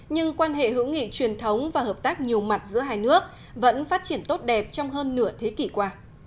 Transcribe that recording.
nhưng quan hệ hữu nghị truyền thống và hợp tác nhiều mặt giữa hai nước vẫn phát triển tốt đẹp trong hơn nửa thế kỷ qua